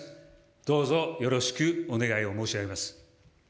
どうぞよろしくお願いを申し上げます。